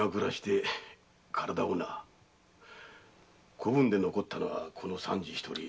子分で残ったのはこの三次一人。